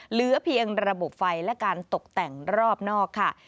เหลือเพียงระบบไฟและการตกแต่งรอบนอกค่ะ